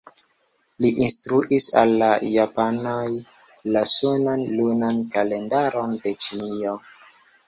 Li instruis al la japanoj la sunan-lunan kalendaron de Ĉinio.